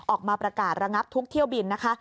ออกมาประกาศระงับทุกเที่ยวบินนะคะ